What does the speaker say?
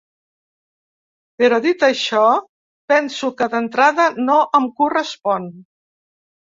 Però dit això, penso que d’entrada no em correspon.